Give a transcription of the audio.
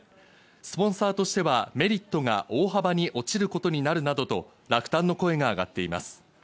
スポンサーとしてはメリットが大幅に落ちることになるなどと落胆の声が上がっています。